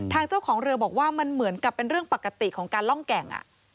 ทางเจ้าของเรือบอกว่ามันเหมือนกับเป็นเรื่องปกติของการล่องแก่ง